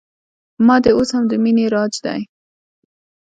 په ما دې اوس هم د مینې راج دی